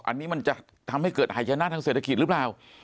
อันนี้มันจะทำให้เกิดหายชนะทางเศรษฐกิจหรือเปล่า